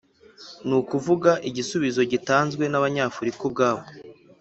ni ukuvuga igisubizo gitanzwe n'abanyafurika ubwabo.